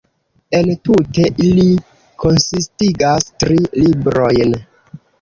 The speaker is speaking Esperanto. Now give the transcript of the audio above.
Entute ili konsistigas tri "librojn".